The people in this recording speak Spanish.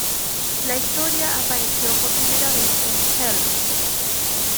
La historia apareció por primera vez en "Help!